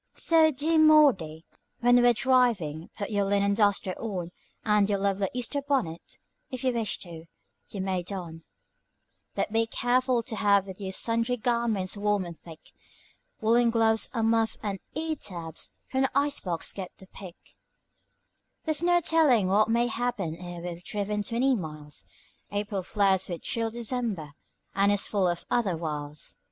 So, dear Maudy, when we're driving, put your linen duster on, And your lovely Easter bonnet, if you wish to, you may don; But be careful to have with you sundry garments warm and thick: Woollen gloves, a muff, and ear tabs, from the ice box get the pick; There's no telling what may happen ere we've driven twenty miles, April flirts with chill December, and is full of other wiles.